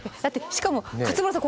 しかも勝村さん